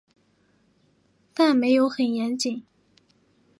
但没有很严谨